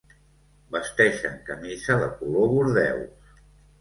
Vesteixen camisa de color bordeus.